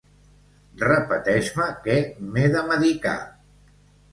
Repeteix-me que m'he de medicar.